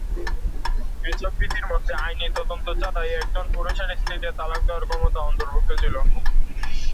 এসব রীতির মধ্যে আইনি তদন্ত ছাড়াই একজন পুরুষের স্ত্রীকে তালাক দেওয়ার ক্ষমতা অন্তর্ভুক্ত ছিল।